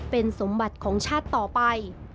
เป็นสมบัติของชาติต่อไป